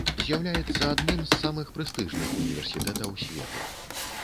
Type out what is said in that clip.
З'яўляецца адным з самых прэстыжных універсітэтаў свету.